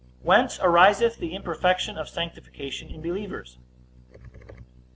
Whence ariseth the imperfection of sanctification in believers?